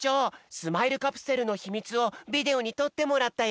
スマイルカプセルのひみつをビデオにとってもらったよ！